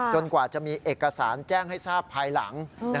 กว่าจะมีเอกสารแจ้งให้ทราบภายหลัง